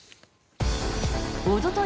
おととい